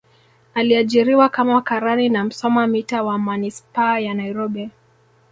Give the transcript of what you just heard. aliajiriwa kama karani na msoma mita wa manispaa ya nairobi